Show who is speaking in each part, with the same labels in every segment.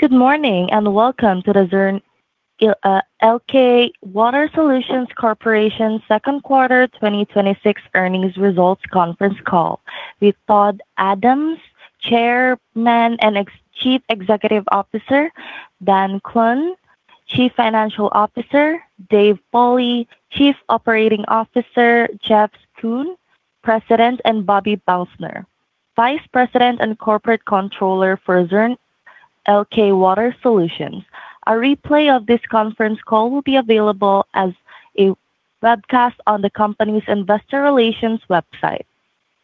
Speaker 1: Good morning and welcome to the Zurn Elkay Water Solutions Corporation Second Quarter 2026 Earnings Results Conference Call with Todd Adams, Chairman and Chief Executive Officer, Dan Klun, Chief Financial Officer, Dave Pauli, Chief Operating Officer, Jeff Schoon, President, and Bobbi Belstner, Vice President and Corporate Controller for Zurn Elkay Water Solutions. A replay of this conference call will be available as a webcast on the company's investor relations website.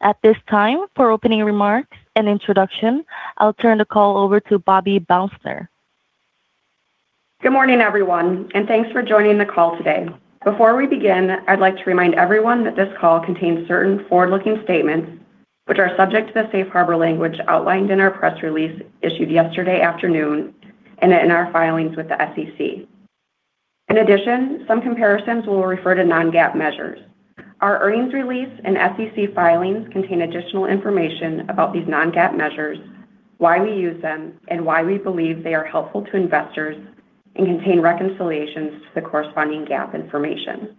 Speaker 1: At this time, for opening remarks and introduction, I'll turn the call over to Bobbi Belstner.
Speaker 2: Good morning, everyone? Thanks for joining the call today. Before we begin, I'd like to remind everyone that this call contains certain forward-looking statements which are subject to the safe harbor language outlined in our press release issued yesterday afternoon and in our filings with the SEC. In addition, some comparisons will refer to non-GAAP measures. Our earnings release and SEC filings contain additional information about these non-GAAP measures, why we use them, and why we believe they are helpful to investors and contain reconciliations to the corresponding GAAP information.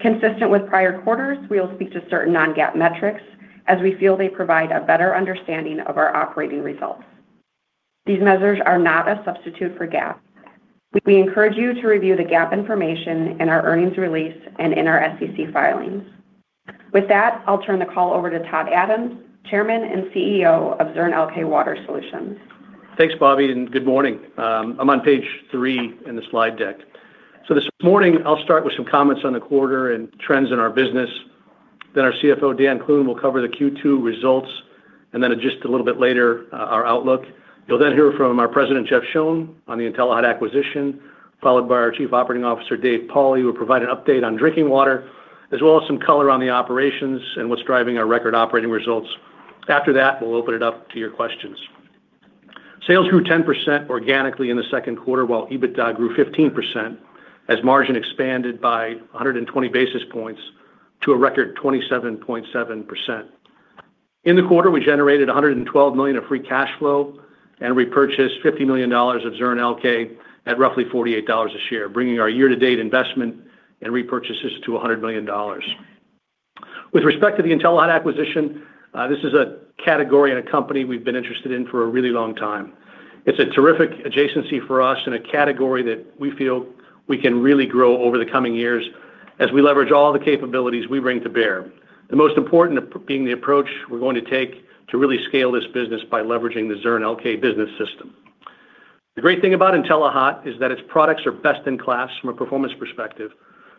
Speaker 2: Consistent with prior quarters, we will speak to certain non-GAAP metrics as we feel they provide a better understanding of our operating results. These measures are not a substitute for GAAP. We encourage you to review the GAAP information in our earnings release and in our SEC filings. With that, I'll turn the call over to Todd Adams, Chairman and Chief Executive Officer of Zurn Elkay Water Solutions.
Speaker 3: Thanks, Bobbi. Good morning. I'm on page three in the slide deck. This morning I'll start with some comments on the quarter and trends in our business. Our Chief Financial Officer, Dan Klun, will cover the Q2 results, and then just a little bit later, our outlook. You'll hear from our president, Jeff Schoon, on the Intellihot acquisition, followed by our Chief Operating Officer, Dave Pauli, who will provide an update on Drinking Water as well as some color on the operations and what's driving our record operating results. After that, we'll open it up to your questions. Sales grew 10% organically in the second quarter while EBITDA grew 15% as margin expanded by 120 basis points to a record 27.7%. In the quarter, we generated $112 million of free cash flow and repurchased $50 million of Zurn Elkay at roughly $48 a share, bringing our year-to-date investment and repurchases to $100 million. With respect to the Intellihot acquisition, this is a category and a company we've been interested in for a really long time. It's a terrific adjacency for us in a category that we feel we can really grow over the coming years as we leverage all the capabilities we bring to bear. The most important being the approach we're going to take to really scale this business by leveraging the Zurn Elkay Business System. The great thing about Intellihot is that its products are best in class from a performance perspective,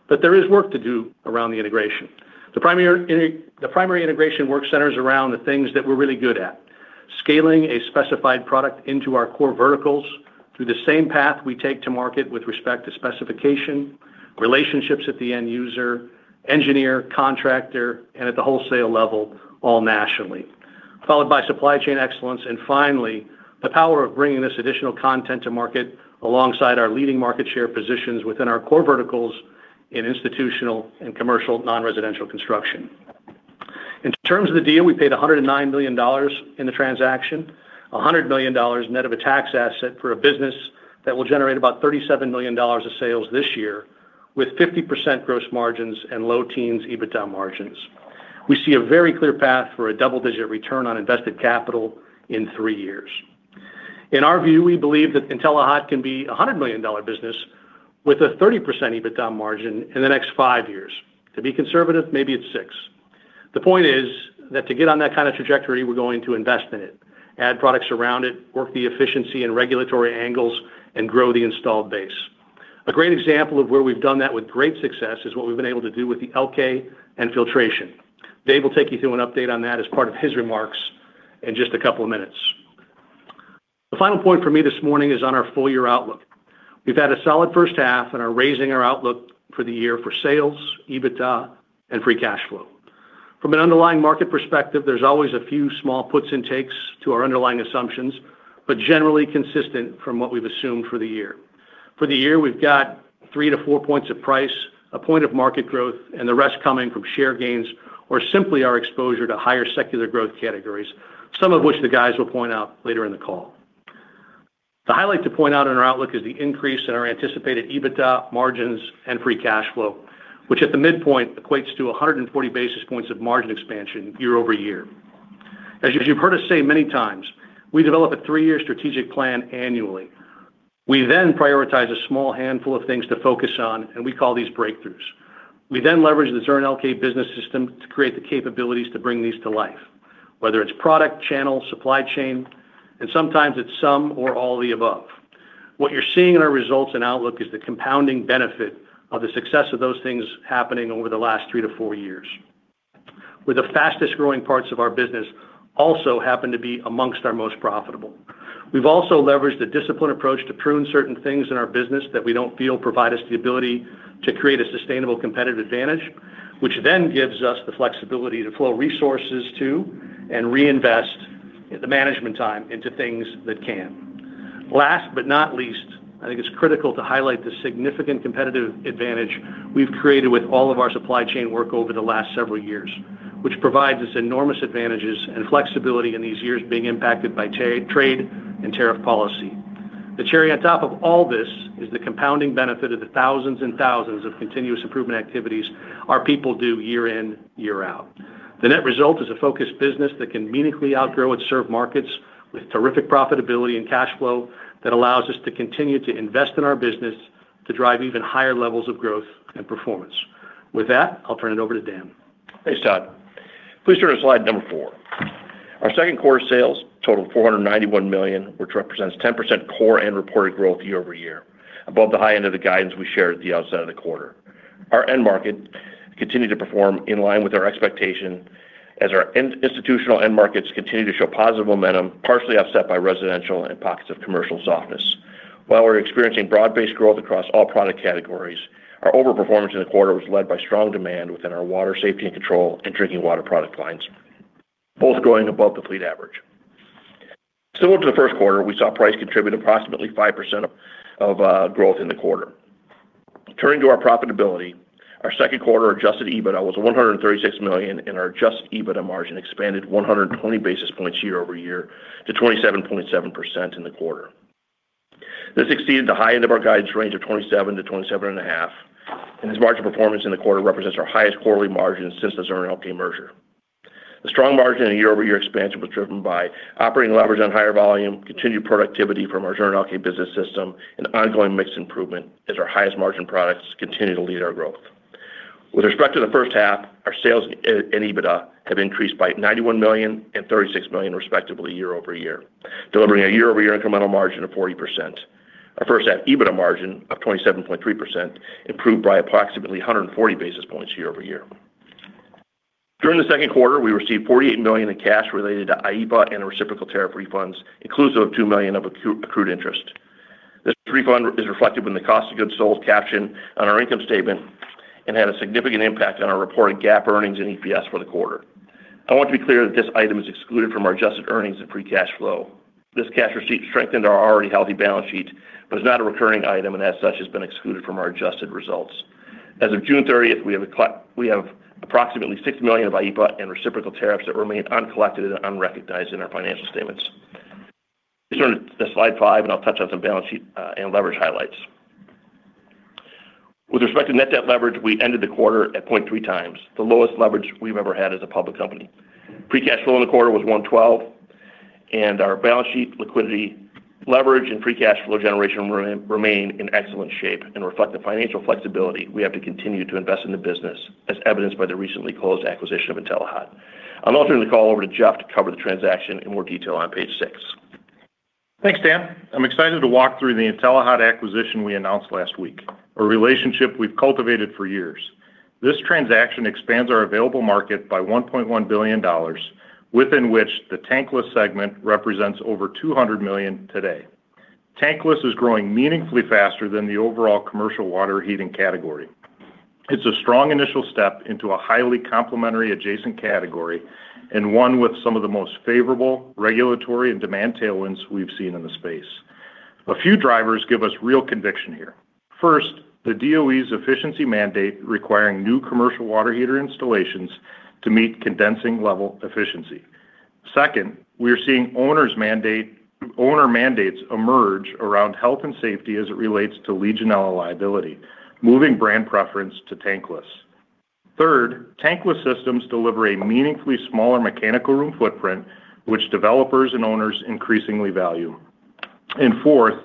Speaker 3: but there is work to do around the integration. The primary integration work centers around the things that we're really good at. Scaling a specified product into our core verticals through the same path we take to market with respect to specification, relationships at the end user, engineer, contractor, and at the wholesale level all nationally. Followed by supply chain excellence, finally, the power of bringing this additional content to market alongside our leading market share positions within our core verticals in institutional and commercial non-residential construction. In terms of the deal, we paid $109 million in the transaction, $100 million net of a tax asset for a business that will generate about $37 million of sales this year with 50% gross margins and low teens EBITDA margins. We see a very clear path for a double-digit return on invested capital in three years. In our view, we believe that Intellihot can be a $100 million business with a 30% EBITDA margin in the next five years. To be conservative, maybe it's six. The point is that to get on that kind of trajectory, we're going to invest in it, add products around it, work the efficiency and regulatory angles, and grow the installed base. A great example of where we've done that with great success is what we've been able to do with the Elkay and filtration. Dave will take you through an update on that as part of his remarks in just a couple of minutes. The final point for me this morning is on our full-year outlook. We've had a solid first half and are raising our outlook for the year for sales, EBITDA, and free cash flow. From an underlying market perspective, there's always a few small puts and takes to our underlying assumptions, but generally consistent from what we've assumed for the year. For the year, we've got three to four points of price, a point of market growth, the rest coming from share gains or simply our exposure to higher secular growth categories, some of which the guys will point out later in the call. The highlight to point out in our outlook is the increase in our anticipated EBITDA margins and free cash flow, which at the midpoint equates to 140 basis points of margin expansion year-over-year. As you've heard us say many times, we develop a three-year strategic plan annually. We then prioritize a small handful of things to focus on, and we call these breakthroughs. We then leverage the Zurn Elkay Business System to create the capabilities to bring these to life, whether it's product, channel, supply chain, sometimes it's some or all of the above. What you're seeing in our results and outlook is the compounding benefit of the success of those things happening over the last three to four years, with the fastest-growing parts of our business also happen to be amongst our most profitable. We've also leveraged a disciplined approach to prune certain things in our business that we don't feel provide us the ability to create a sustainable competitive advantage, which then gives us the flexibility to flow resources to and reinvest the management time into things that can. Last but not least. I think it's critical to highlight the significant competitive advantage we've created with all of our supply chain work over the last several years, which provides us enormous advantages and flexibility in these years being impacted by trade and tariff policy. The cherry on top of all this is the compounding benefit of the thousands and thousands of continuous improvement activities our people do year in, year out. The net result is a focused business that can meaningfully outgrow and serve markets with terrific profitability and cash flow that allows us to continue to invest in our business to drive even higher levels of growth and performance. With that, I'll turn it over to Dan.
Speaker 4: Thanks, Todd. Please turn to slide number four. Our second quarter sales totaled $491 million, which represents 10% core and reported growth year-over-year, above the high end of the guidance we shared at the outset of the quarter. Our end market continued to perform in line with our expectation as our institutional end markets continue to show positive momentum, partially offset by residential and pockets of commercial softness. While we're experiencing broad-based growth across all product categories, our overperformance in the quarter was led by strong demand within our Water Safety and Control and Drinking Water product lines, both growing above the fleet average. Similar to the first quarter, we saw price contribute approximately 5% of growth in the quarter. Turning to our profitability, our second quarter adjusted EBITDA was $136 million, and our adjusted EBITDA margin expanded 120 basis points year-over-year to 27.7% in the quarter. This exceeded the high end of our guidance range of 27%-27.5%, and this margin performance in the quarter represents our highest quarterly margin since the Zurn Elkay merger. The strong margin and year-over-year expansion was driven by operating leverage on higher volume, continued productivity from our Zurn Elkay Business System, and ongoing mix improvement as our highest margin products continue to lead our growth. With respect to the first half, our sales and EBITDA have increased by $91 million and $36 million respectively year-over-year, delivering a year-over-year incremental margin of 40%. Our first half EBITDA margin of 27.3% improved by approximately 140 basis points year-over-year. During the second quarter, we received $48 million in cash related to IEPA and reciprocal tariff refunds, inclusive of $2 million of accrued interest. This refund is reflected in the cost of goods sold caption on our income statement and had a significant impact on our reported GAAP earnings and EPS for the quarter. I want to be clear that this item is excluded from our adjusted earnings and free cash flow. This cash receipt strengthened our already healthy balance sheet, but is not a recurring item and as such has been excluded from our adjusted results. As of June 30th, we have approximately $60 million of IEPA and reciprocal tariffs that remain uncollected and unrecognized in our financial statements. Please turn to slide five, and I'll touch on some balance sheet and leverage highlights. With respect to net debt leverage, we ended the quarter at 0.3x, the lowest leverage we've ever had as a public company. Free cash flow in the quarter was $112 million. Our balance sheet liquidity leverage and free cash flow generation remain in excellent shape and reflect the financial flexibility we have to continue to invest in the business, as evidenced by the recently closed acquisition of Intellihot. I'll now turn the call over to Jeff to cover the transaction in more detail on page six.
Speaker 5: Thanks, Dan. I'm excited to walk through the Intellihot acquisition we announced last week, a relationship we've cultivated for years. This transaction expands our available market by $1.1 billion, within which the tankless segment represents over $200 million today. Tankless is growing meaningfully faster than the overall commercial water heating category. It's a strong initial step into a highly complementary adjacent category and one with some of the most favorable regulatory and demand tailwinds we've seen in the space. A few drivers give us real conviction here. First, the DOE's efficiency mandate requiring new commercial water heater installations to meet condensing level efficiency. Second, we are seeing owner mandates emerge around health and safety as it relates to Legionella liability, moving brand preference to tankless. Third, tankless systems deliver a meaningfully smaller mechanical room footprint, which developers and owners increasingly value. Fourth,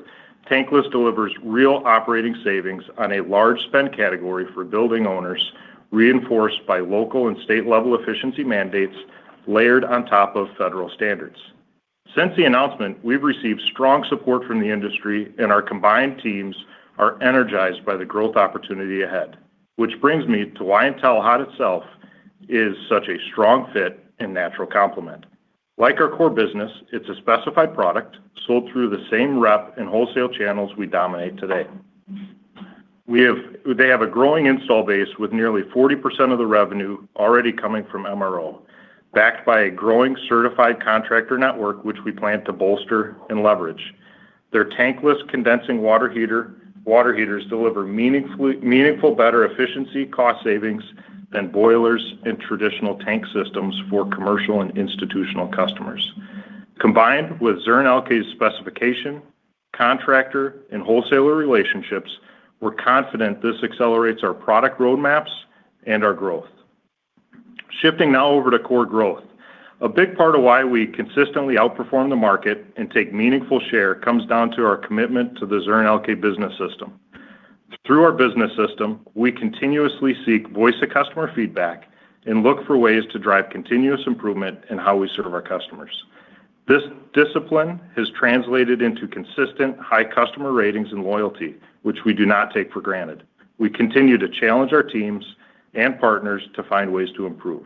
Speaker 5: tankless delivers real operating savings on a large spend category for building owners, reinforced by local and state-level efficiency mandates layered on top of federal standards. Since the announcement, we've received strong support from the industry, and our combined teams are energized by the growth opportunity ahead. Which brings me to why Intellihot itself is such a strong fit and natural complement. Like our core business, it's a specified product sold through the same rep and wholesale channels we dominate today. They have a growing install base with nearly 40% of the revenue already coming from MRO, backed by a growing certified contractor network, which we plan to bolster and leverage. Their tankless condensing water heaters deliver meaningful better efficiency cost savings than boilers and traditional tank systems for commercial and institutional customers. Combined with Zurn Elkay's specification, contractor, and wholesaler relationships, we're confident this accelerates our product roadmaps and our growth. Shifting now over to core growth. A big part of why we consistently outperform the market and take meaningful share comes down to our commitment to the Zurn Elkay Business System. Through our business system, we continuously seek voice-of-customer feedback and look for ways to drive continuous improvement in how we serve our customers. This discipline has translated into consistent high customer ratings and loyalty, which we do not take for granted. We continue to challenge our teams and partners to find ways to improve.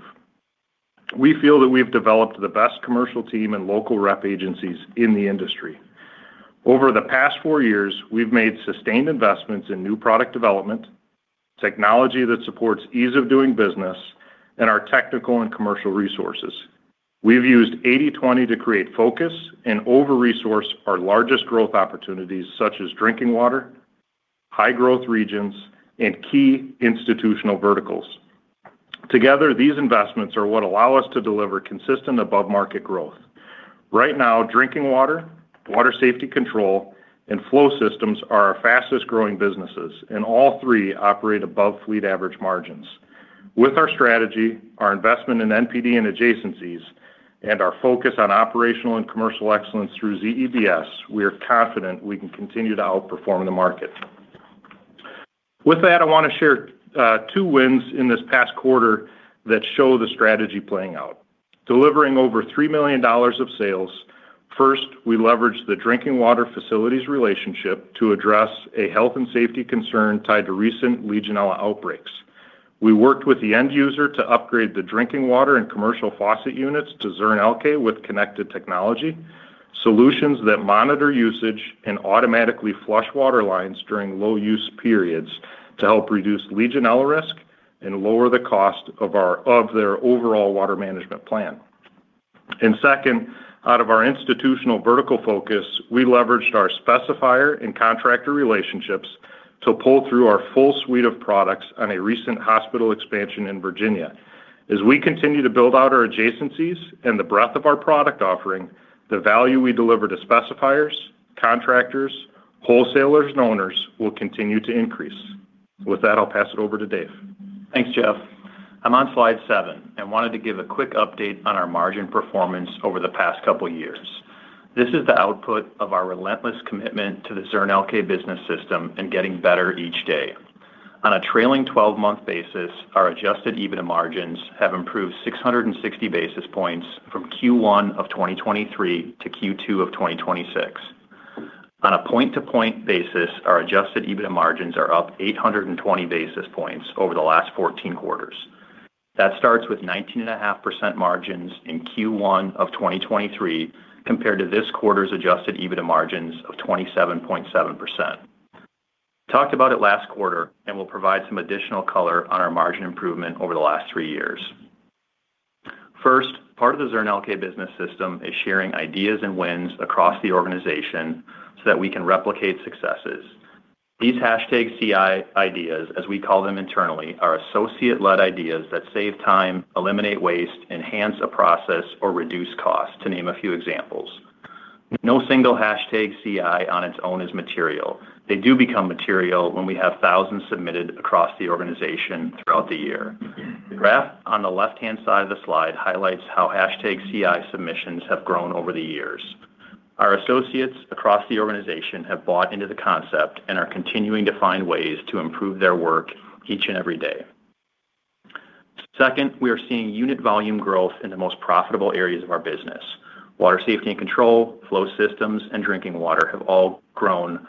Speaker 5: We feel that we've developed the best commercial team and local rep agencies in the industry. Over the past four years, we've made sustained investments in new product development technology that supports ease of doing business and our technical and commercial resources. We've used 80/20 to create focus and over-resource our largest growth opportunities, such as Drinking Water, high growth regions, and key institutional verticals. Together, these investments are what allow us to deliver consistent above-market growth. Right now, Drinking Water Safety and Control, and Flow Systems are our fastest-growing businesses, and all three operate above fleet average margins. With our strategy, our investment in NPD and adjacencies, and our focus on operational and commercial excellence through ZEBS, we are confident we can continue to outperform the market. With that, I want to share two wins in this past quarter that show the strategy playing out. Delivering over $3 million of sales, first, we leveraged the Drinking Water facilities relationship to address a health and safety concern tied to recent Legionella outbreaks. We worked with the end user to upgrade the Drinking Water and commercial faucet units to Zurn Elkay with connected technology, solutions that monitor usage and automatically flush water lines during low-use periods to help reduce Legionella risk and lower the cost of their overall water management plan. Second, out of our institutional vertical focus, we leveraged our specifier and contractor relationships to pull through our full suite of products on a recent hospital expansion in Virginia. As we continue to build out our adjacencies and the breadth of our product offering, the value we deliver to specifiers, contractors, wholesalers, and owners will continue to increase. With that, I'll pass it over to Dave.
Speaker 6: Thanks, Jeff. I'm on slide seven and wanted to give a quick update on our margin performance over the past couple of years. This is the output of our relentless commitment to the Zurn Elkay Business System and getting better each day. On a trailing 12-month basis, our adjusted EBITDA margins have improved 660 basis points from Q1 2023 to Q2 2026. On a point-to-point basis, our adjusted EBITDA margins are up 820 basis points over the last 14 quarters. That starts with 19.5% margins in Q1 2023 compared to this quarter's adjusted EBITDA margins of 27.7%. Talked about it last quarter and will provide some additional color on our margin improvement over the last three years. First, part of the Zurn Elkay Business System is sharing ideas and wins across the organization so that we can replicate successes. These #CI ideas, as we call them internally, are associate-led ideas that save time, eliminate waste, enhance a process, or reduce cost, to name a few examples. No single #CI on its own is material. They do become material when we have thousands submitted across the organization throughout the year. The graph on the left-hand side of the slide highlights how #CI submissions have grown over the years. Our associates across the organization have bought into the concept and are continuing to find ways to improve their work each and every day. Second, we are seeing unit volume growth in the most profitable areas of our business. Water Safety and Control, Flow Systems, and Drinking Water have all grown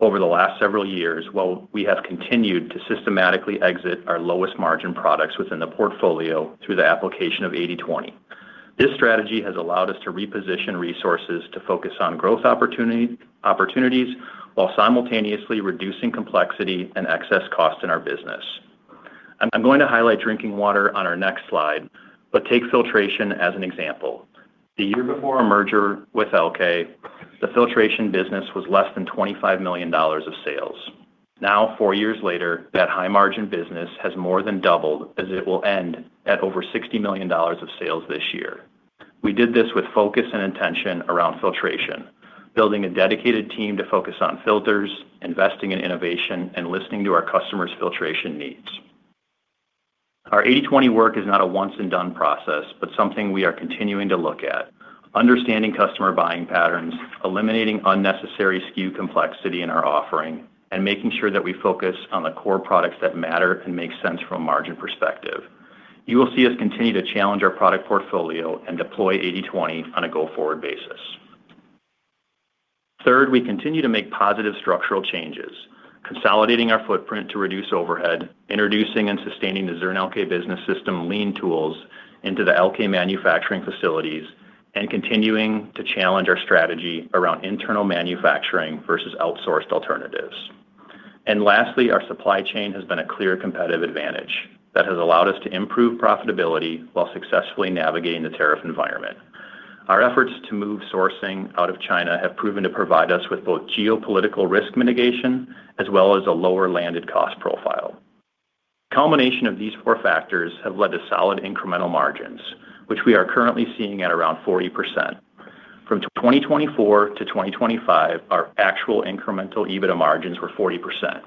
Speaker 6: over the last several years while we have continued to systematically exit our lowest margin products within the portfolio through the application of 80/20. This strategy has allowed us to reposition resources to focus on growth opportunities while simultaneously reducing complexity and excess cost in our business. I'm going to highlight Drinking Water on our next slide, but take filtration as an example. The year before our merger with Elkay, the filtration business was less than $25 million of sales. Now, four years later, that high-margin business has more than doubled as it will end at over $60 million of sales this year. We did this with focus and intention around filtration, building a dedicated team to focus on filters, investing in innovation, and listening to our customers' filtration needs. Our 80/20 work is not a once-and-done process, but something we are continuing to look at. Understanding customer buying patterns, eliminating unnecessary SKU complexity in our offering, and making sure that we focus on the core products that matter and make sense from a margin perspective. You will see us continue to challenge our product portfolio and deploy 80/20 on a go-forward basis. Third, we continue to make positive structural changes, consolidating our footprint to reduce overhead, introducing and sustaining the Zurn Elkay Business System lean tools into the Elkay manufacturing facilities, and continuing to challenge our strategy around internal manufacturing versus outsourced alternatives. Lastly, our supply chain has been a clear competitive advantage that has allowed us to improve profitability while successfully navigating the tariff environment. Our efforts to move sourcing out of China have proven to provide us with both geopolitical risk mitigation as well as a lower landed cost profile. A combination of these four factors have led to solid incremental margins, which we are currently seeing at around 40%. From 2024 to 2025, our actual incremental EBITDA margins were 40%.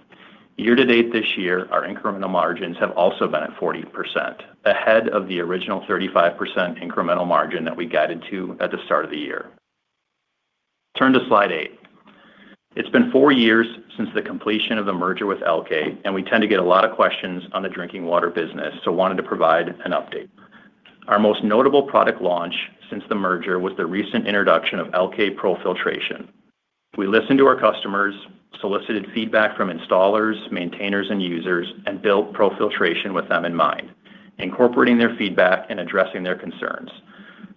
Speaker 6: Year-to-date this year, our incremental margins have also been at 40%, ahead of the original 35% incremental margin that we guided to at the start of the year. Turn to slide eight. It's been four years since the completion of the merger with Elkay, and we tend to get a lot of questions on the Drinking Water business, so wanted to provide an update. Our most notable product launch since the merger was the recent introduction of Elkay Pro Filtration. We listened to our customers, solicited feedback from installers, maintainers, and users, and built Pro Filtration with them in mind, incorporating their feedback and addressing their concerns.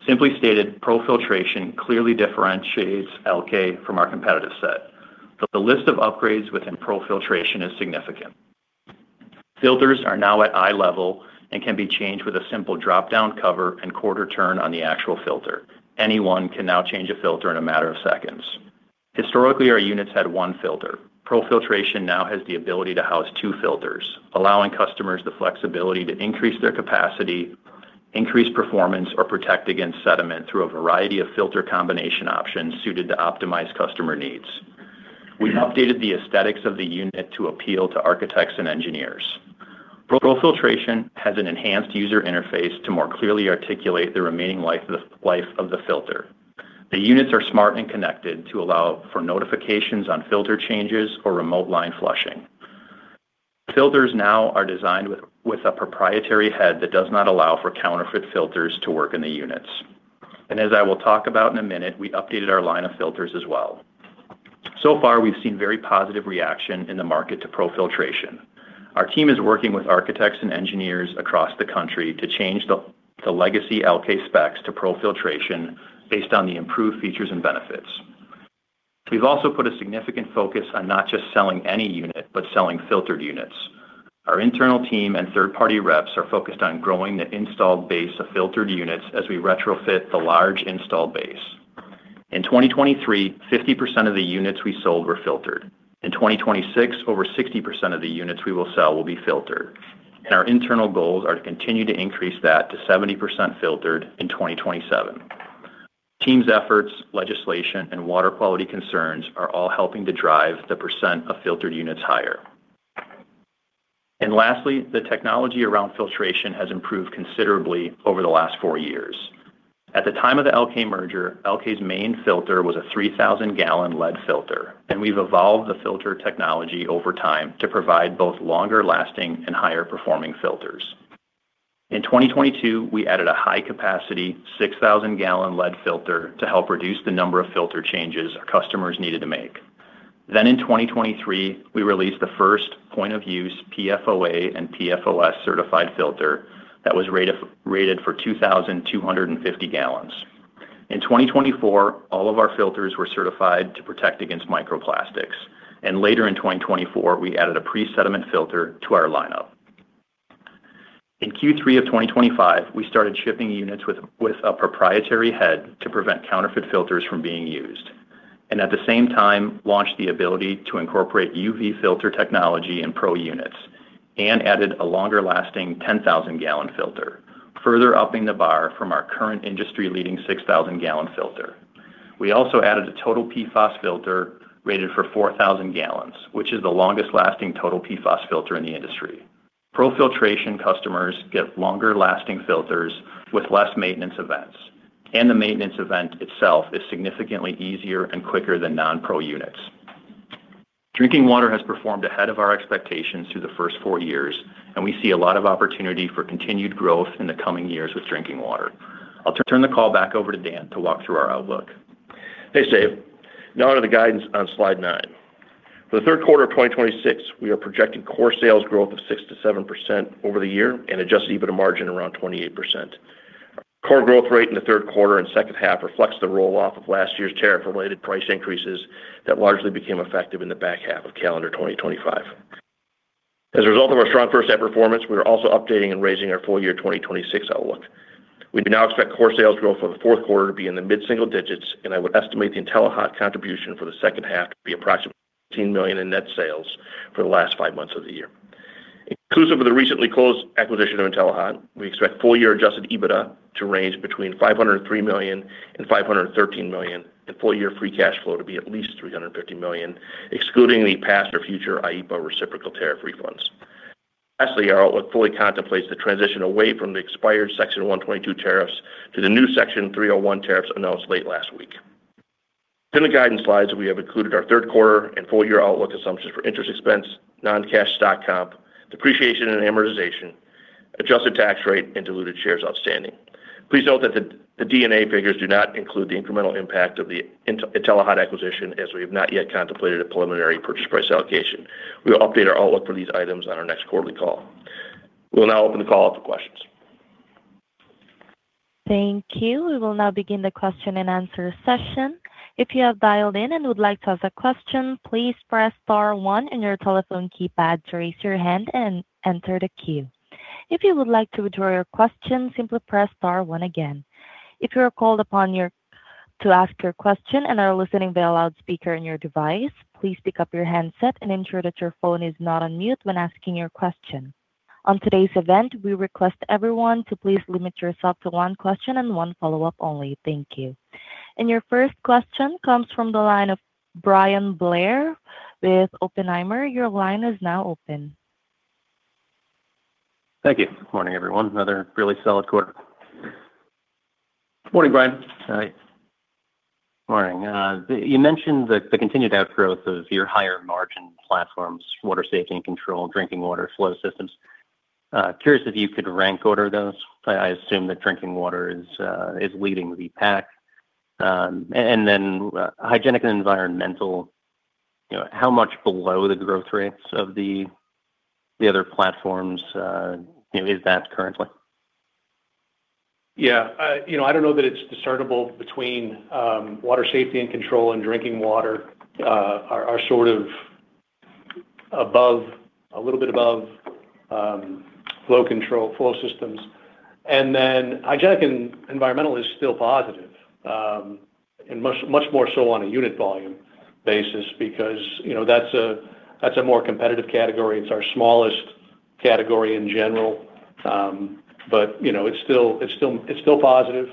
Speaker 6: Simply stated, Pro Filtration clearly differentiates Elkay from our competitive set. The list of upgrades within Pro Filtration is significant. Filters are now at eye level and can be changed with a simple drop-down cover and quarter turn on the actual filter. Anyone can now change a filter in a matter of seconds. Historically, our units had one filter. Pro Filtration now has the ability to house two filters, allowing customers the flexibility to increase their capacity, increase performance, or protect against sediment through a variety of filter combination options suited to optimize customer needs. We've updated the aesthetics of the unit to appeal to architects and engineers. Pro Filtration has an enhanced user interface to more clearly articulate the remaining life of the filter. The units are smart and connected to allow for notifications on filter changes or remote line flushing. Filters now are designed with a proprietary head that does not allow for counterfeit filters to work in the units. As I will talk about in a minute, we updated our line of filters as well. So far, we've seen very positive reaction in the market to Pro Filtration. Our team is working with architects and engineers across the country to change the legacy Elkay specs to Pro Filtration based on the improved features and benefits. We've also put a significant focus on not just selling any unit, but selling filtered units. Our internal team and third-party reps are focused on growing the installed base of filtered units as we retrofit the large installed base. In 2023, 50% of the units we sold were filtered. In 2026, over 60% of the units we will sell will be filtered. Our internal goals are to continue to increase that to 70% filtered in 2027. Team's efforts, legislation, and water quality concerns are all helping to drive the percent of filtered units higher. Lastly, the technology around filtration has improved considerably over the last four years. At the time of the Elkay merger, Elkay's main filter was a 3,000-gallon lead filter, and we've evolved the filter technology over time to provide both longer lasting and higher performing filters. In 2022, we added a high capacity 6,000-gallon lead filter to help reduce the number of filter changes our customers needed to make. Then in 2023, we released the first point of use PFOA and PFOS certified filter that was rated for 2,250 gallons. In 2024, all of our filters were certified to protect against microplastics, and later in 2024, we added a pre-sediment filter to our lineup. In Q3 of 2025, we started shipping units with a proprietary head to prevent counterfeit filters from being used, and at the same time, launched the ability to incorporate UV filter technology in Pro units and added a longer lasting 10,000-gallon filter, further upping the bar from our current industry leading 6,000-gallon filter. We also added a total PFOS filter rated for 4,000 gallons, which is the longest lasting total PFOS filter in the industry. Pro Filtration customers get longer lasting filters with less maintenance events, and the maintenance event itself is significantly easier and quicker than non-Pro units. Drinking Water has performed ahead of our expectations through the first four years, and we see a lot of opportunity for continued growth in the coming years with Drinking Water. I'll turn the call back over to Dan to walk through our outlook.
Speaker 4: Thanks, Dave. Now onto the guidance on slide nine. For the third quarter of 2026, we are projecting core sales growth of 6%-7% over the year and adjusted EBITDA margin around 28%. Our core growth rate in the third quarter and second half reflects the roll-off of last year's tariff-related price increases that largely became effective in the back half of calendar 2025. As a result of our strong first half performance, we are also updating and raising our full year 2026 outlook. We now expect core sales growth for the fourth quarter to be in the mid-single digits, and I would estimate the Intellihot contribution for the second half to be approximately $18 million in net sales for the last five months of the year. Inclusive of the recently closed acquisition of Intellihot, we expect full year adjusted EBITDA to range between $503 million and $513 million, and full year free cash flow to be at least $350 million, excluding the past or future IEPA reciprocal tariff refunds. Lastly, our outlook fully contemplates the transition away from the expired Section 122 tariffs to the new Section 301 tariffs announced late last week. In the guidance slides, we have included our third quarter and full year outlook assumptions for interest expense, non-cash stock comp, depreciation and amortization, adjusted tax rate, and diluted shares outstanding. Please note that the D&A figures do not include the incremental impact of the Intellihot acquisition, as we have not yet contemplated a preliminary purchase price allocation. We will update our outlook for these items on our next quarterly call. We will now open the call up for questions.
Speaker 1: Thank you. We will now begin the question and answer session. If you have dialed in and would like to ask a question, please press star one on your telephone keypad to raise your hand and enter the queue. If you would like to withdraw your question, simply press star one again. If you are called upon to ask your question and are listening via loudspeaker on your device, please pick up your handset and ensure that your phone is not on mute when asking your question. On today's event, we request everyone to please limit yourself to one question and one follow-up only. Thank you. Your first question comes from the line of Bryan Blair with Oppenheimer, your line is now open.
Speaker 7: Thank you. Morning everyone? Another really solid quarter.
Speaker 3: Morning, Bryan.
Speaker 7: Hi. Morning. You mentioned the continued outgrowth of your higher margin platforms, Water Safety and Control, Drinking Water Flow Systems. Curious if you could rank order those. I assume that Drinking Water is leading the pack. Then Hygienic and Environmental, how much below the growth rates of the other platforms is that currently?
Speaker 3: Yeah. I don't know that it's discernible between Water Safety and Control and Drinking Water are sort of a little bit above flow control, Flow Systems. Then Hygienic and Environmental is still positive, and much more so on a unit volume basis because that's a more competitive category. It's our smallest category in general. It's still positive.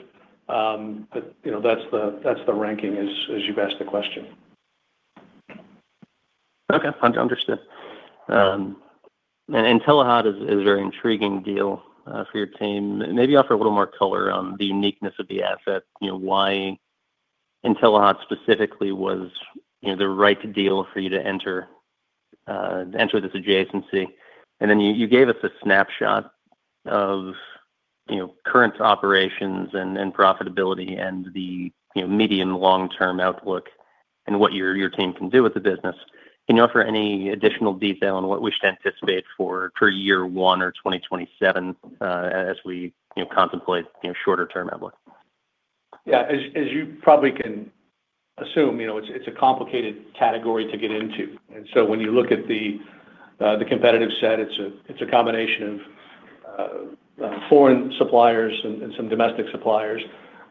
Speaker 3: That's the ranking as you've asked the question.
Speaker 7: Okay. Understood. Intellihot is a very intriguing deal for your team. Maybe offer a little more color on the uniqueness of the asset, why Intellihot specifically was the right deal for you to enter this adjacency. Then you gave us a snapshot of current operations and profitability and the medium long-term outlook and what your team can do with the business. Can you offer any additional detail on what we should anticipate for year one or 2027 as we contemplate shorter-term outlook?
Speaker 3: Yeah. As you probably can assume, it's a complicated category to get into. When you look at the competitive set, it's a combination of foreign suppliers and some domestic suppliers,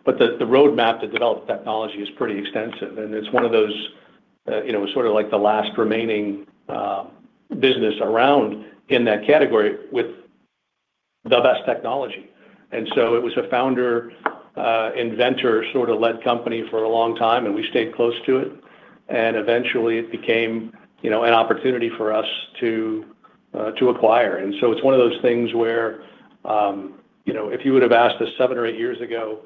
Speaker 3: but the roadmap to develop technology is pretty extensive, and it's one of those, sort of the last remaining business around in that category with the best technology. It was a founder, inventor sort of led company for a long time, and we stayed close to it. Eventually, it became an opportunity for us to acquire. It's one of those things where if you would've asked us seven years or eight years ago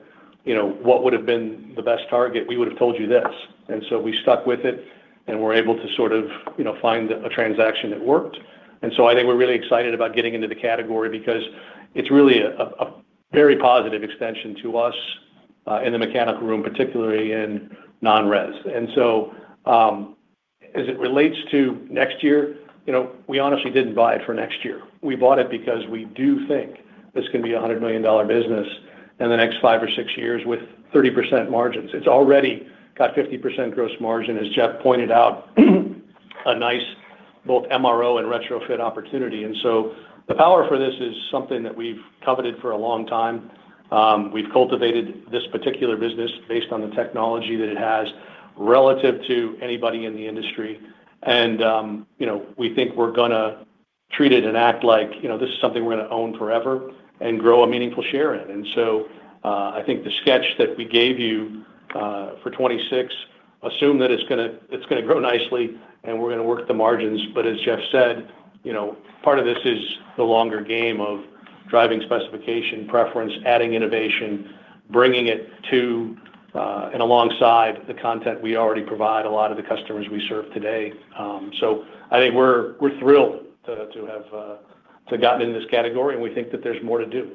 Speaker 3: what would've been the best target, we would've told you this. We stuck with it, and were able to sort of find a transaction that worked. I think we're really excited about getting into the category because it's really a very positive extension to us, in the mechanical room, particularly in non-res. As it relates to next year, we honestly didn't buy it for next year. We bought it because we do think this can be a $100 million business in the next five years or six years with 30% margins. It's already got 50% gross margin, as Jeff pointed out, a nice both MRO and retrofit opportunity. The power for this is something that we've coveted for a long time. We've cultivated this particular business based on the technology that it has relative to anybody in the industry. We think we're going to treat it and act like this is something we're going to own forever and grow a meaningful share in. I think the sketch that we gave you for 2026, assume that it's going to grow nicely and we're going to work the margins, but as Jeff said, part of this is the longer game of driving specification preference, adding innovation, bringing it to, and alongside the content we already provide a lot of the customers we serve today. I think we're thrilled to have gotten into this category, and we think that there's more to do.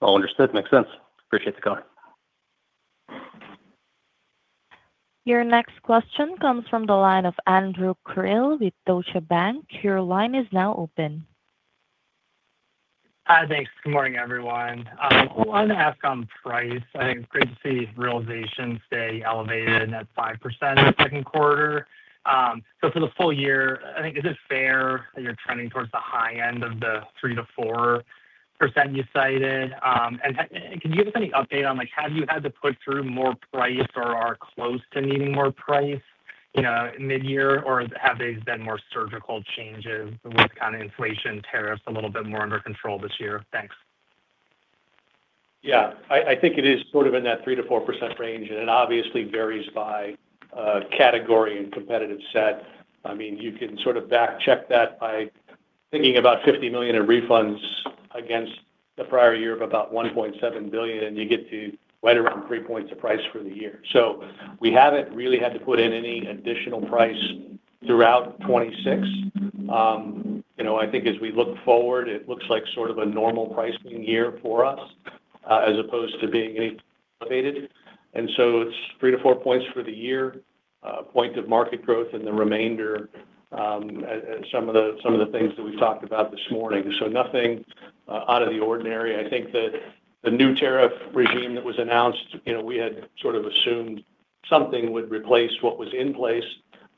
Speaker 7: All understood. Makes sense. Appreciate the comment.
Speaker 1: Your next question comes from the line of Andrew Krill with Deutsche Bank, your line is now open.
Speaker 8: Hi. Thanks. Good morning everyone? One ask on price. I think it's great to see realization stay elevated and at 5% in the second quarter. For the full year, I think, is it fair that you're trending towards the high end of the 3%-4% you cited? Can you give us any update on have you had to put through more price or are close to needing more price mid-year, or have these been more surgical changes with inflation, tariffs a little bit more under control this year? Thanks.
Speaker 3: Yeah. I think it is sort of in that 3%-4% range, and it obviously varies by category and competitive set. You can sort of back check that by thinking about $50 million in refunds against the prior year of about $1.7 billion, and you get to right around 3 points of price for the year. We haven't really had to put in any additional price throughout 2026. I think as we look forward, it looks like sort of a normal pricing year for us, as opposed to being any elevated. It's 3 points-4 points for the year, points of market growth in the remainder, and some of the things that we've talked about this morning. Nothing out of the ordinary. I think that the new tariff regime that was announced, we had sort of assumed something would replace what was in place,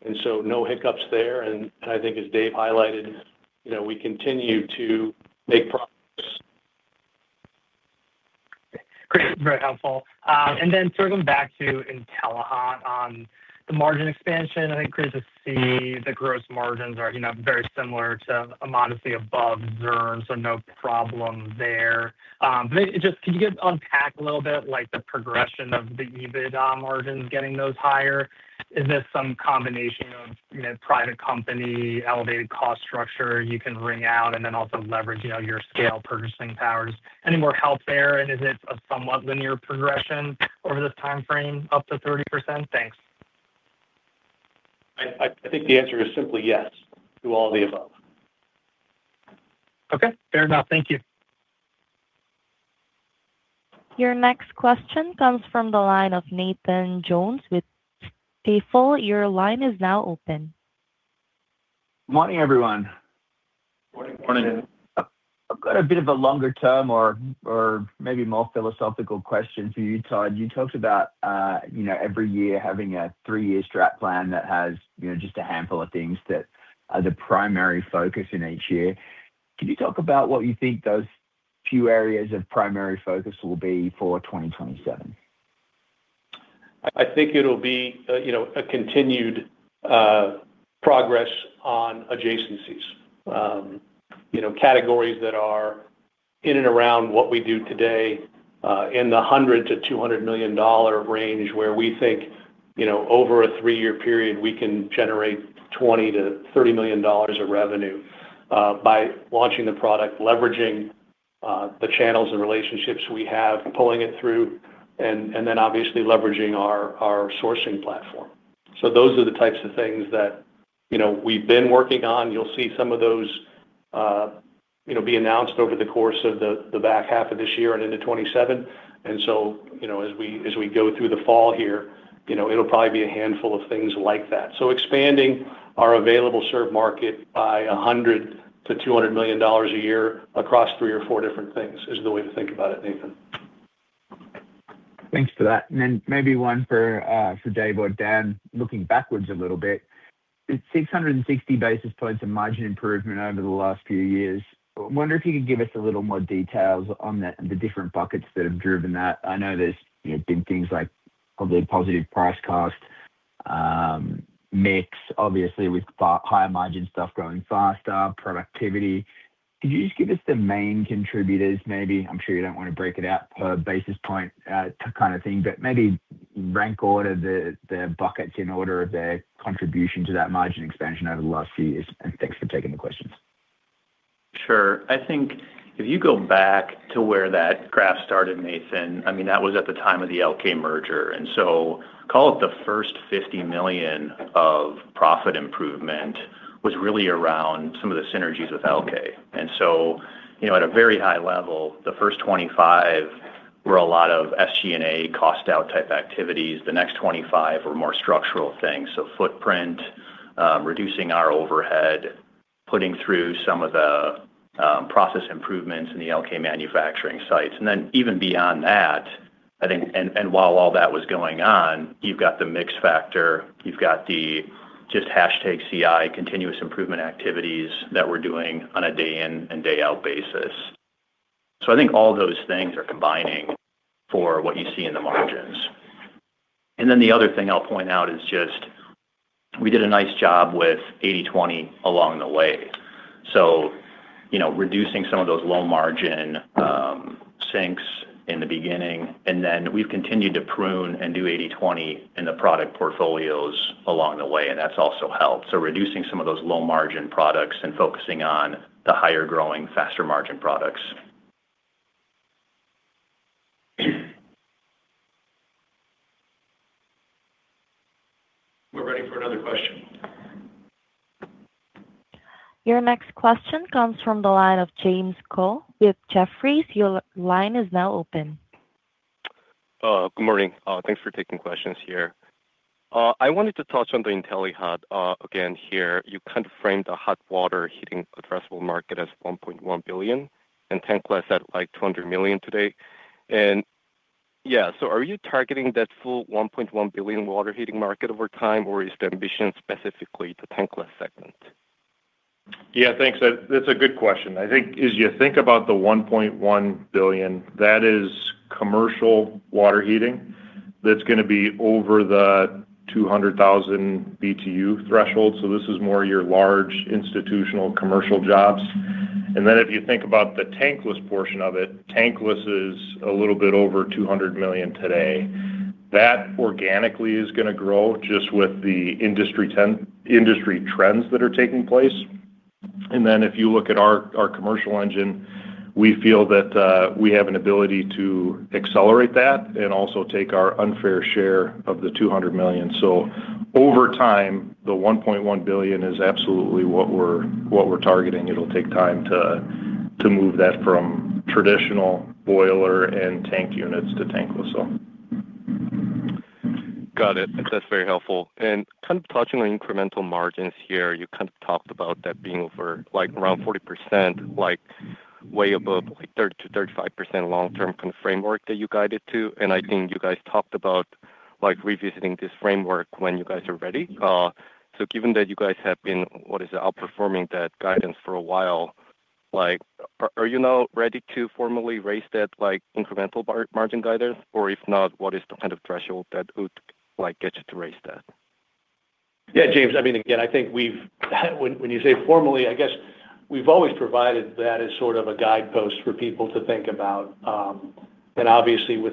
Speaker 3: and so no hiccups there. I think as Dave highlighted, we continue to make progress.
Speaker 8: Great. Very helpful. Then circling back to Intellihot on the margin expansion. I think great to see the gross margins are very similar to a modestly above Zurn, so no problem there. Can you unpack a little bit like the progression of the EBIT margin getting those higher? Is this some combination of private company, elevated cost structure you can wring out and then also leverage your scale purchasing powers? Any more help there, and is it a somewhat linear progression over this timeframe, up to 30%? Thanks.
Speaker 3: I think the answer is simply yes to all of the above.
Speaker 8: Okay. Fair enough. Thank you.
Speaker 1: Your next question comes from the line of Nathan Jones with Stifel, your line is now open.
Speaker 9: Morning, everyone?
Speaker 3: Morning.
Speaker 9: I've got a bit of a longer-term or maybe more philosophical question for you, Todd. You talked about every year having a three-year strat plan that has just a handful of things that are the primary focus in each year. Can you talk about what you think those few areas of primary focus will be for 2027?
Speaker 3: I think it'll be a continued progress on adjacencies. Categories that are in and around what we do today in the $100 million-$200 million range, where we think over a three-year period, we can generate $20 million-$30 million of revenue by launching the product, leveraging the channels and relationships we have, pulling it through, and obviously leveraging our sourcing platform. Those are the types of things that we've been working on. You'll see some of those be announced over the course of the back half of this year and into 2027. As we go through the fall here, it'll probably be a handful of things like that. Expanding our available served market by $100 million-$200 million a year across three or four different things is the way to think about it, Nathan.
Speaker 9: Then maybe one for Dave or Dan, looking backwards a little bit. The 660 basis points of margin improvement over the last few years, I wonder if you could give us a little more details on the different buckets that have driven that. I know there's been things like probably positive price/cost, mix, obviously with higher margin stuff growing faster, productivity. Could you just give us the main contributors maybe? I'm sure you don't want to break it out per basis point kind of thing, but maybe rank order the buckets in order of their contribution to that margin expansion over the last few years. Thanks for taking the questions.
Speaker 6: Sure. I think if you go back to where that graph started, Nathan, that was at the time of the Elkay merger. Call it the first $50 million of profit improvement was really around some of the synergies with Elkay. At a very high level, the first $25 million were a lot of SG&A cost out type activities. The next $25 million were more structural things. Footprint, reducing our overhead, putting through some of the process improvements in the Elkay manufacturing sites. Even beyond that, while all that was going on, you've got the mix factor, you've got the just CI, continuous improvement activities that we're doing on a day in and day out basis. I think all those things are combining for what you see in the margins. The other thing I'll point out is just we did a nice job with 80/20 along the way. Reducing some of those low margin sinks in the beginning, we've continued to prune and do 80/20 in the product portfolios along the way, that's also helped. Reducing some of those low margin products and focusing on the higher growing, faster margin products.
Speaker 3: We're ready for another question.
Speaker 1: Your next question comes from the line of James Ko with Jefferies, your line is now open.
Speaker 10: Good morning? Thanks for taking questions here. I wanted to touch on the Intellihot again here. You kind of framed the hot water heating addressable market as $1.1 billion and tankless at like $200 million today. Yeah. Are you targeting that full $1.1 billion water heating market over time, or is the ambition specifically the tankless segment?
Speaker 5: Yeah, thanks. That's a good question. I think as you think about the $1.1 billion, that is commercial water heating, that's going to be over the 200,000 BTU threshold. This is more your large institutional commercial jobs. If you think about the tankless portion of it, tankless is a little bit over $200 million today. That organically is going to grow just with the industry trends that are taking place. If you look at our commercial engine, we feel that we have an ability to accelerate that and also take our unfair share of the $200 million. Over time, the $1.1 billion is absolutely what we're targeting. It'll take time to move that from traditional boiler and tank units to tankless.
Speaker 10: Got it. That's very helpful. Touching on incremental margins here, you talked about that being over around 40%, way above 30%-35% long term kind of framework that you guided to. I think you guys talked about revisiting this framework when you guys are ready. Given that you guys have been, what is it, outperforming that guidance for a while, are you now ready to formally raise that incremental margin guidance? If not, what is the kind of threshold that would get you to raise that?
Speaker 3: Yeah, James. Again, I think when you say formally, I guess we've always provided that as sort of a guidepost for people to think about. Obviously with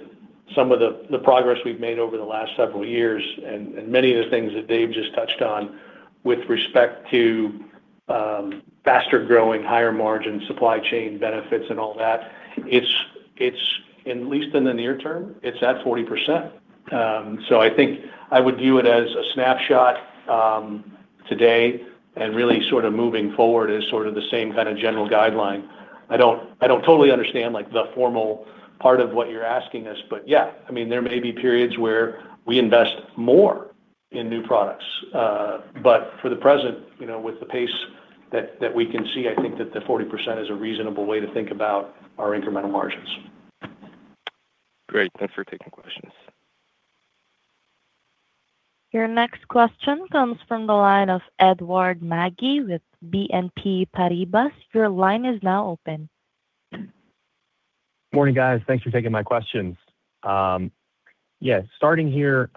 Speaker 3: some of the progress we've made over the last several years and many of the things that Dave just touched on with respect to faster growing, higher margin supply chain benefits and all that, at least in the near term, it's at 40%. I think I would view it as a snapshot today and really sort of moving forward is sort of the same kind of general guideline. I don't totally understand like the formal part of what you're asking us, but yeah. There may be periods where we invest more in new products. For the present, with the pace that we can see, I think that the 40% is a reasonable way to think about our incremental margins.
Speaker 10: Great. Thanks for taking questions.
Speaker 1: Your next question comes from the line of Edward Magi with BNP Paribas, your line is now open.
Speaker 11: Morning guys? Thanks for taking my questions. Starting here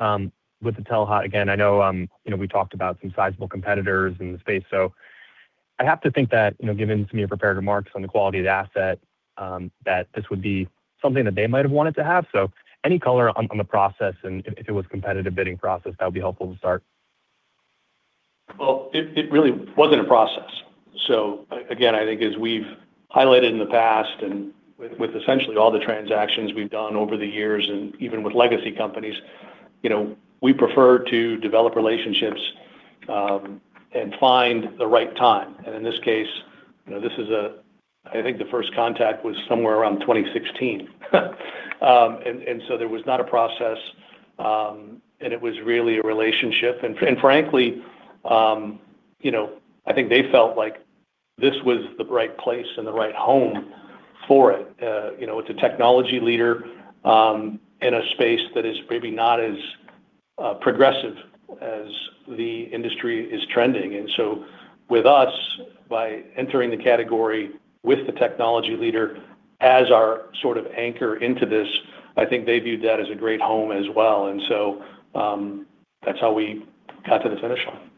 Speaker 11: with the Intellihot. Again, I know we talked about some sizable competitors in the space, I have to think that, given some of your prepared remarks on the quality of the asset, that this would be something that they might have wanted to have. Any color on the process, and if it was a competitive bidding process, that would be helpful to start.
Speaker 3: It really wasn't a process. Again, I think as we've highlighted in the past and with essentially all the transactions we've done over the years, and even with legacy companies, we prefer to develop relationships and find the right time. In this case, I think the first contact was somewhere around 2016. There was not a process, it was really a relationship. Frankly, I think they felt like this was the right place and the right home for it. It's a technology leader in a space that is maybe not as progressive as the industry is trending. With us, by entering the category with the technology leader as our sort of anchor into this, I think they viewed that as a great home as well. That's how we got to the finish line.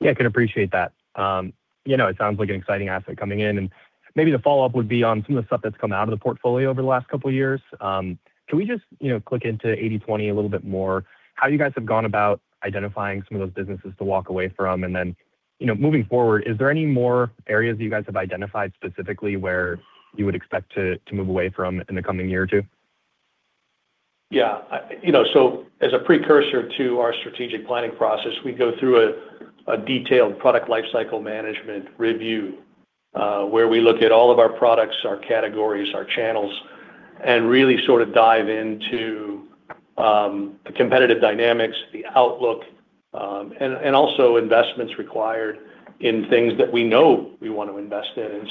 Speaker 11: Yeah, I can appreciate that. It sounds like an exciting asset coming in, and maybe the follow-up would be on some of the stuff that's come out of the portfolio over the last couple of years. Can we just click into 80/20 a little bit more, how you guys have gone about identifying some of those businesses to walk away from? Moving forward, is there any more areas that you guys have identified specifically where you would expect to move away from in the coming year or two?
Speaker 3: Yeah. As a precursor to our strategic planning process, we go through a detailed product lifecycle management review, where we look at all of our products, our categories, our channels, and really sort of dive into the competitive dynamics, the outlook, and also investments required in things that we know we want to invest in.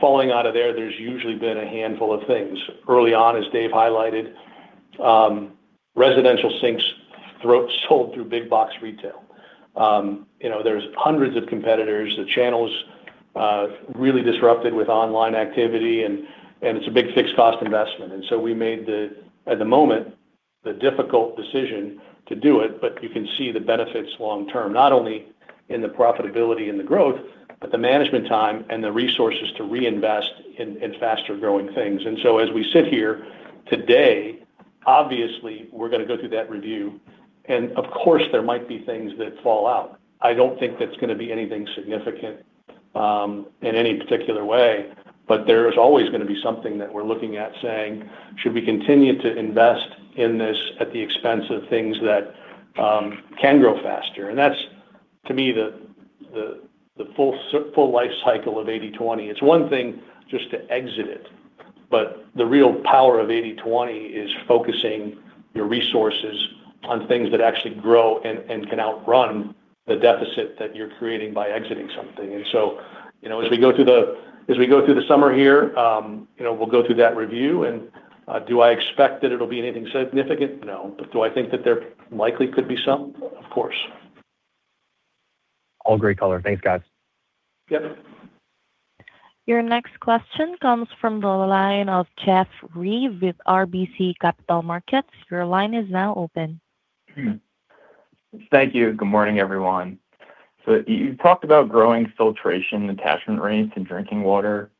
Speaker 3: Falling out of there's usually been a handful of things. Early on, as Dave highlighted, residential sinks sold through big box retail. There's hundreds of competitors. The channel's really disrupted with online activity, and it's a big fixed cost investment. We made the, at the moment, the difficult decision to do it, but you can see the benefits long-term, not only in the profitability and the growth, but the management time and the resources to reinvest in faster-growing things. As we sit here today, obviously we're going to go through that review, and of course there might be things that fall out. I don't think that's going to be anything significant in any particular way, but there is always going to be something that we're looking at, saying, should we continue to invest in this at the expense of things that can grow faster? That's, to me, the full life cycle of 80/20. It's one thing just to exit it, but the real power of 80/20 is focusing your resources on things that actually grow and can outrun the deficit that you're creating by exiting something. As we go through the summer here, we'll go through that review, and do I expect that it'll be anything significant? No. Do I think that there likely could be some? Of course.
Speaker 11: All great color. Thanks, guys.
Speaker 3: Yep.
Speaker 1: Your next question comes from the line of Jeff Reive with RBC Capital Markets, your line is now open.
Speaker 12: Thank you. Good morning everyone? You talked about growing filtration attachment rates in Drinking Water,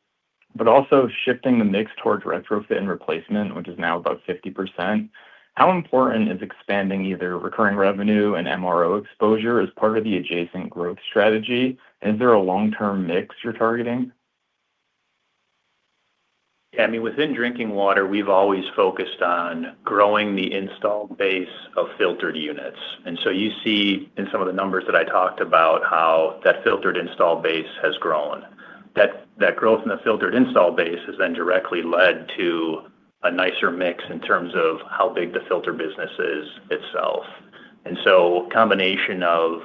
Speaker 12: but also shifting the mix towards retrofit and replacement, which is now about 50%. How important is expanding either recurring revenue and MRO exposure as part of the adjacent growth strategy? Is there a long-term mix you're targeting?
Speaker 6: Yeah, within Drinking Water, we've always focused on growing the installed base of filtered units. You see in some of the numbers that I talked about how that filtered install base has grown. That growth in the filtered install base has then directly led to a nicer mix in terms of how big the filter business is itself. A combination of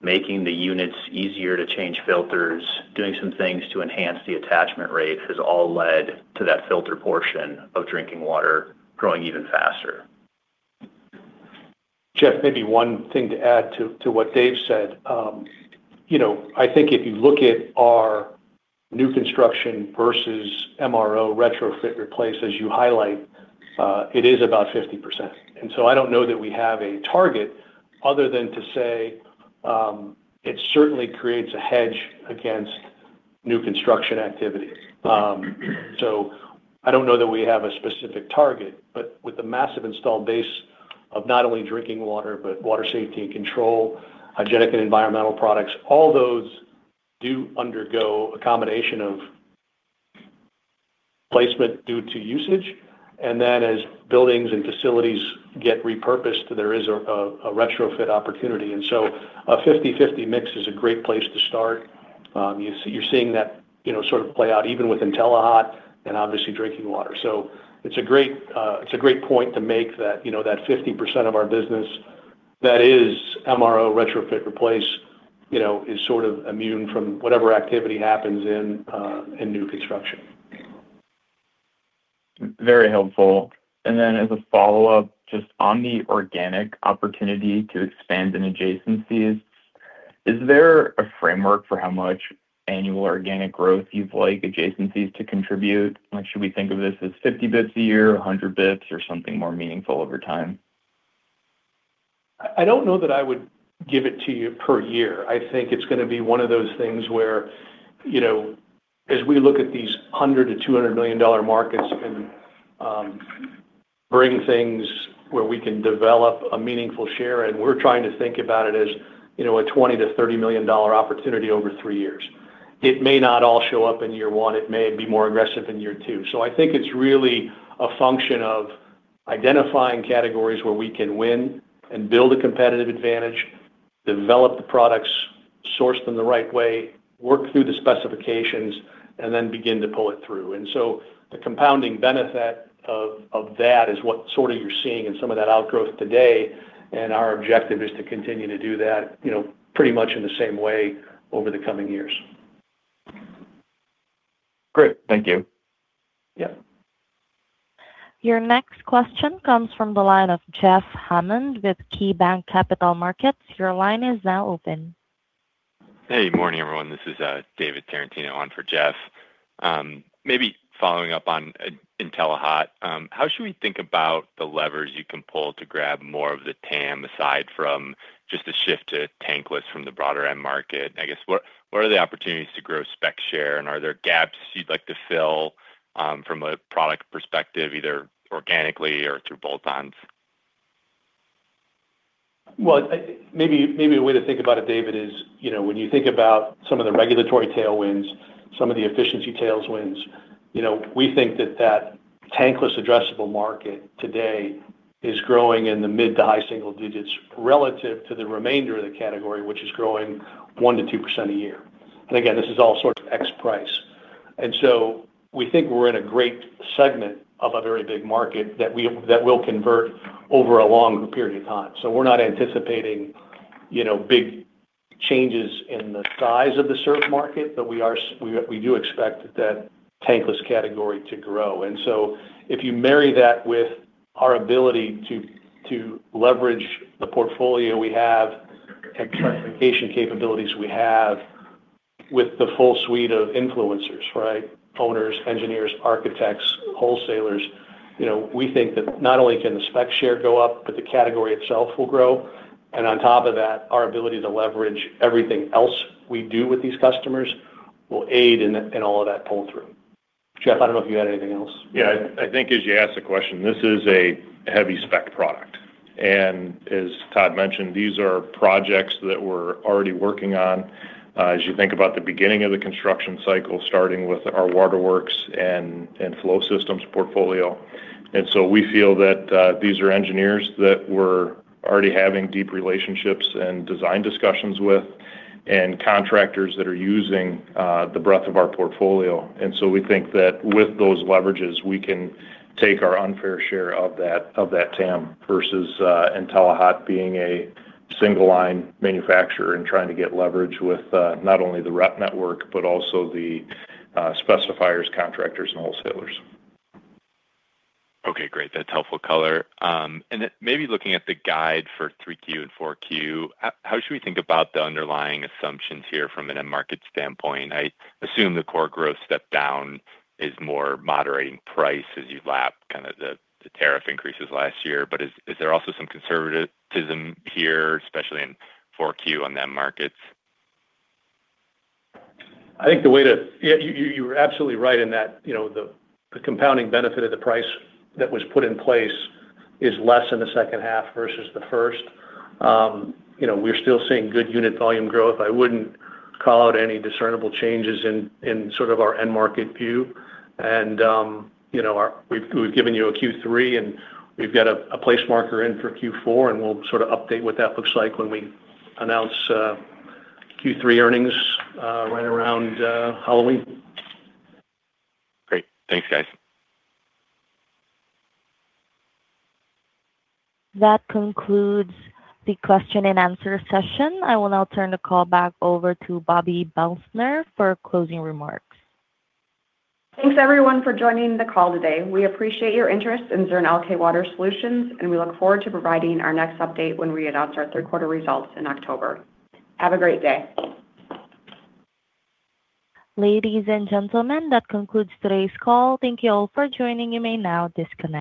Speaker 6: making the units easier to change filters, doing some things to enhance the attachment rate, has all led to that filter portion of Drinking Water growing even faster.
Speaker 3: Jeff, maybe one thing to add to what Dave said. I think if you look at our new construction versus MRO retrofit/replace, as you highlight, it is about 50%. I don't know that we have a target other than to say it certainly creates a hedge against new construction activity. I don't know that we have a specific target, but with the massive installed base of not only Drinking Water, but Water Safety and Control, Hygienic and Environmental products, all those do undergo a combination of Placement due to usage, as buildings and facilities get repurposed, there is a retrofit opportunity. A 50/50 mix is a great place to start. You're seeing that sort of play out even with Intellihot and obviously Drinking Water. It's a great point to make that 50% of our business that is MRO retrofit replace is sort of immune from whatever activity happens in new construction.
Speaker 12: Very helpful. Then as a follow-up, just on the organic opportunity to expand in adjacencies, is there a framework for how much annual organic growth you'd like adjacencies to contribute? Should we think of this as 50 basis points a year, 100 basis points, or something more meaningful over time?
Speaker 3: I don't know that I would give it to you per year. I think it's going to be one of those things where as we look at these $100 million-$200 million markets and bring things where we can develop a meaningful share in, we're trying to think about it as, a $20 million-$30 million opportunity over three years. It may not all show up in year one. It may be more aggressive in year two. I think it's really a function of identifying categories where we can win and build a competitive advantage, develop the products, source them the right way, work through the specifications, and then begin to pull it through. The compounding benefit of that is what you're seeing in some of that outgrowth today, and our objective is to continue to do that pretty much in the same way over the coming years.
Speaker 12: Great. Thank you.
Speaker 3: Yeah.
Speaker 1: Your next question comes from the line of Jeff Hammond with KeyBanc Capital Markets, your line is now open.
Speaker 13: Hey, good morning, everyone. This is David Tarantino on for Jeff. Maybe following up on Intellihot, how should we think about the levers you can pull to grab more of the TAM aside from just the shift to tankless from the broader end market? I guess, what are the opportunities to grow spec share, and are there gaps you'd like to fill from a product perspective, either organically or through bolt-ons?
Speaker 3: Well, maybe a way to think about it, David, is when you think about some of the regulatory tailwinds, some of the efficiency tailwinds, we think that that tankless addressable market today is growing in the mid to high single digits relative to the remainder of the category, which is growing 1%-2% a year. Again, this is all sort of ex price. So we think we're in a great segment of a very big market that will convert over a long period of time. So we're not anticipating big changes in the size of the served market, but we do expect that tankless category to grow. So if you marry that with our ability to leverage the portfolio we have and specification capabilities we have with the full suite of influencers, right? Owners, engineers, architects, wholesalers. We think that not only can the spec share go up, but the category itself will grow, and on top of that, our ability to leverage everything else we do with these customers will aid in all of that pull through. Jeff, I don't know if you had anything else.
Speaker 5: Yeah. I think as you asked the question, this is a heavy spec product. As Todd mentioned, these are projects that we're already working on. As you think about the beginning of the construction cycle, starting with our waterworks and Flow Systems portfolio. We feel that these are engineers that we're already having deep relationships and design discussions with and contractors that are using the breadth of our portfolio. We think that with those leverages, we can take our unfair share of that TAM versus Intellihot being a single-line manufacturer and trying to get leverage with not only the rep network, but also the specifiers, contractors, and wholesalers.
Speaker 13: Okay, great. That's helpful color. Maybe looking at the guide for 3Q and 4Q, how should we think about the underlying assumptions here from an end market standpoint? I assume the core growth step down is more moderating price as you lap kind of the tariff increases last year. Is there also some conservatism here, especially in 4Q on the end markets?
Speaker 3: You're absolutely right in that the compounding benefit of the price that was put in place is less in the second half versus the first half. We're still seeing good unit volume growth. I wouldn't call out any discernible changes in our end market view. We've given you a Q3, we've got a place marker in for Q4, we'll update what that looks like when we announce Q3 earnings right around Halloween.
Speaker 13: Great. Thanks, guys.
Speaker 1: That concludes the question and answer session. I will now turn the call back over to Bobbi Belstner for closing remarks.
Speaker 2: Thanks everyone for joining the call today. We appreciate your interest in Zurn Elkay Water Solutions, and we look forward to providing our next update when we announce our third quarter results in October. Have a great day.
Speaker 1: Ladies and gentlemen, that concludes today's call. Thank you all for joining, you may now disconnect.